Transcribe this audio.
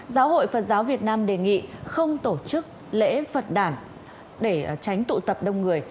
giáo hội phật giáo việt nam đề nghị không tổ chức lễ phật đàn để tránh tụ tập đông người